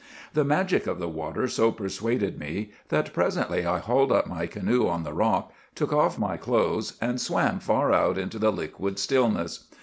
The magic of the water so persuaded me, that presently I hauled up my canoe on the rock, took off my clothes, and swam far out into the liquid stillness.